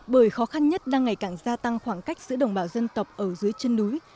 bởi khó khăn nhất đang ngày càng gia tăng khoảng cách giữa đồng bào dân tộc ở dưới chân núi